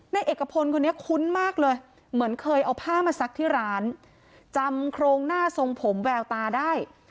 ในเอกพลคนนี้คุ้นมากเลยเหมือนเคยเอาผ้ามาซักที่ร้านจำโครงหน้าทรงผมแววตาได้